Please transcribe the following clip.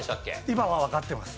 今はわかってます。